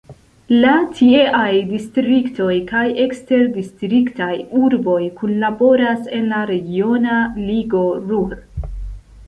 La tieaj distriktoj kaj eksterdistriktaj urboj kunlaboras en la regiona ligo Ruhr.